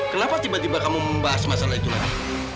kenapa tiba tiba kamu membahas masalah itu lagi